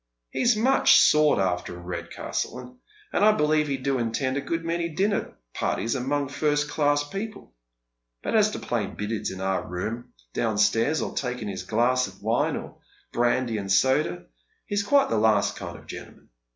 He is much sought after in Redcastle, and I believe he do attend a good many dinner parties among first class people ; but as to playing billiards in our room down ptairs, or taking his glass of wine, or brandy and soda, he is quite the last kind of gentleman.